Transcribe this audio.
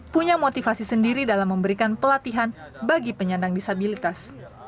punya motivasi sendiri dalam memberikan pelatihan bagi penyandang disabilitas